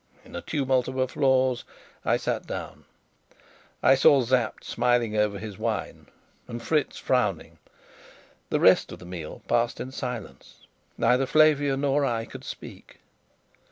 In a tumult of applause I sat down: I saw Sapt smiling over his wine, and Fritz frowning. The rest of the meal passed in silence; neither Flavia nor I could speak.